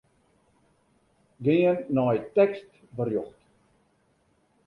Gean nei tekstberjocht.